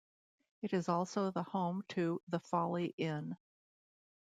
It is also the home to The Folly Inn.